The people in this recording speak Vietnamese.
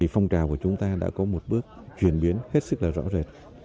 phong trào của chúng ta đã có một bước chuyển biến hết sức là rõ rệt